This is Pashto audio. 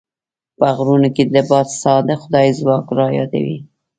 په غرونو کې د باد ساه د خدای ځواک رايادوي.